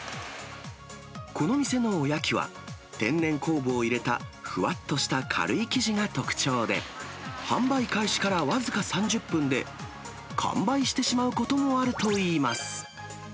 この店のおやきは、天然酵母を入れたふわっとした軽い生地が特徴で、販売開始から僅か３０分で、完売してしまうこともあるといいます。